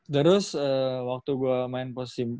terus waktu gue main posisi empat